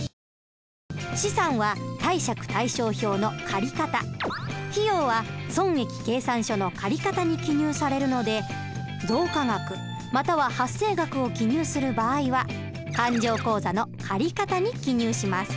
資産は貸借対照表の借方費用は損益計算書の借方に記入されるので増加額または発生額を記入する場合は勘定口座の借方に記入します。